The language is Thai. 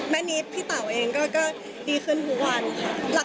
แม่นี้พี่แต่วเองก็ดีขึ้นทุกวันค่ะ